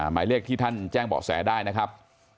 หมายเลขที่ท่านแจ้งเบาะแสได้นะครับ